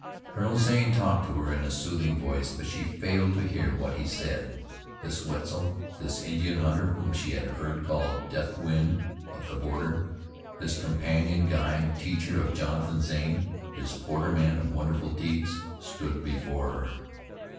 Colonel Zane talked to her in a soothing voice; but she failed to hear what he said. This Wetzel, this Indian hunter whom she had heard called "Deathwind of the Border," this companion, guide, teacher of Jonathan Zane, this borderman of wonderful deeds, stood before her.